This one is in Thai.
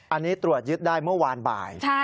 อันนี้ตรวจยึดได้เมื่อวานบ่าย